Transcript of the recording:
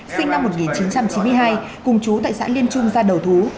sinh năm một nghìn chín trăm chín mươi hai cùng chú tại xã liên trung ra đầu thú